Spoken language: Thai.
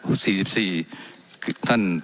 ว่าการกระทรวงบาทไทยนะครับ